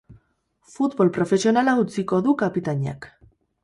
Futbol profesionala utziko du kapitainak.